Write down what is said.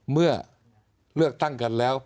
เมื่อเลือกตั้งกันแล้ว